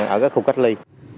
ở các khu cách ly